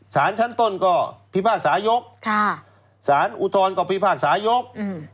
สารชั้นต้นก็พิพากษายกสารอุทธรณ์ก็พิพากษายก